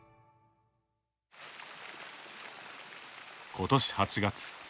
今年８月。